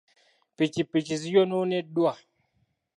Ppikipiki ziyonooneddwa.